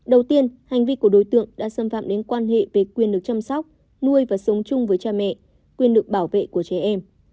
đầu tiên hành vi của đối tượng đã xâm phạm đến quan hệ về quyền được chăm sóc nuôi và sống chung với cha mẹ quyền được bảo vệ của trẻ em